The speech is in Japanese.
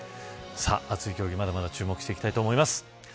熱い競技、まだまだ注目していきたいと思います。